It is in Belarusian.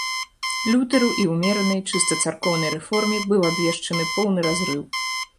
Лютэру і ўмеранай, чыста царкоўнай рэформе быў абвешчаны поўны разрыў.